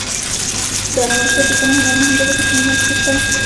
د علامه رشاد لیکنی هنر مهم دی ځکه چې مینه پکې شته.